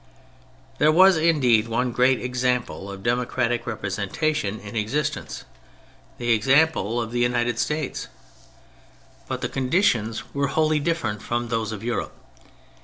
There was indeed one great example of democratic representation in existence ; the 26 THE FRENCH REVOLUTION example of the United States; but the condi tions were wholly different from those of Europe.